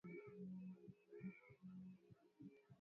Mwani Kotonii ni nzito sana na imekuwa ngumu sana katika kuota